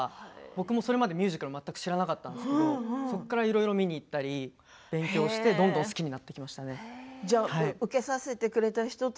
僕もそれまでミュージカルは知らなかったんですけれどそこから見に行ったり勉強をしてどんどん好きになっていきました。